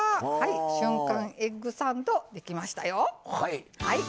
瞬間エッグサンドできましたよ。